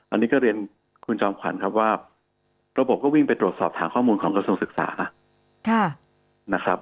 อันนี้ก็เรียนคุณจอมขวัญครับว่าระบบก็วิ่งไปตรวจสอบฐานข้อมูลของกระทรวงศึกษานะครับ